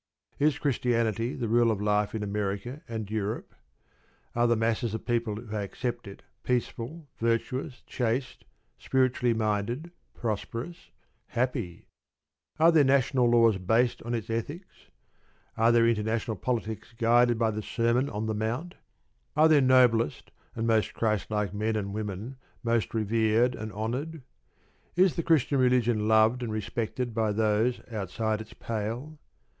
Is Christianity the rule of life in America and Europe? Are the masses of people who accept it peaceful, virtuous, chaste, spiritually minded, prosperous, happy? Are their national laws based on its ethics? Are their international politics guided by the Sermon on the Mount? Are their noblest and most Christlike men and women most revered and honoured? Is the Christian religion loved and respected by those outside its pale?